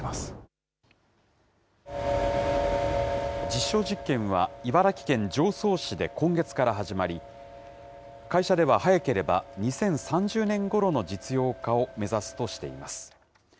実証実験は茨城県常総市で今月から始まり、会社では早ければ２０３０年ごろの実用化を目指すとしています。